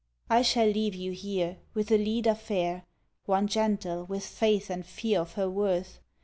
.... I shall leave you here, with a leader fair; One gentle, with faith and fear of her worth.